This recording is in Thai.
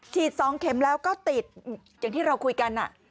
๒เข็มแล้วก็ติดอย่างที่เราคุยกัน